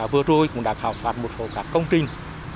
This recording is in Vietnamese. vừa rồi cũng đã khảo phạt một số các công trình